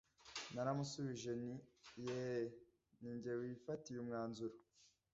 Naramushubije nti yee ni jye wifatiye umwanzuro